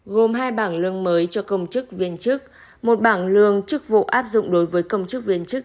gồm hai bảng lương mới cho công chức viên chức một bảng lương chức vụ áp dụng đối với công chức viên chức